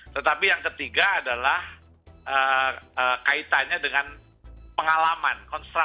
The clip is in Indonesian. tetapi yang ketiga adalah kaitannya dengan pengalaman